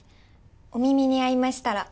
『お耳に合いましたら。』